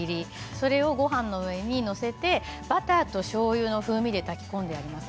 それをごはんの上に載せてバターとしょうゆの風味で炊き込んであります。